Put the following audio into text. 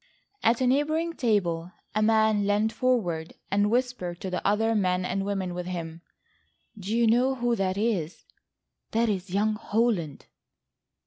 At a neighbouring table a man lent forward and whispered to the other men and women with him: "Do you know who that is?—that is young Holland."